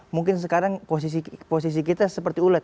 mungkin sekarang posisi kita seperti ulet